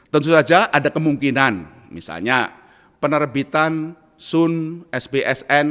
tentu saja ada kemungkinan misalnya penerbitan sun sbsn